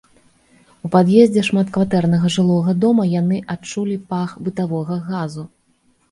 У пад'ездзе шматкватэрнага жылога дома яны адчулі пах бытавога газу.